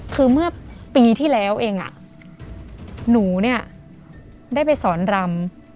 คือเมื่อปีที่แล้วเองหนูเนี่ยได้ไปสอนรำ